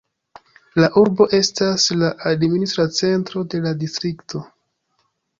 La urbo estas la administra centro de la distrikto.